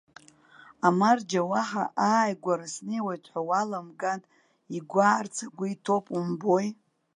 Амарџьа, уаҳа ааигәара снеиуеит ҳәа уаламган, игәаарц агәы иҭоуп умбои!